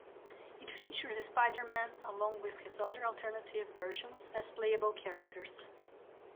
It features Spider-Man, along with his other alternative versions, as playable characters.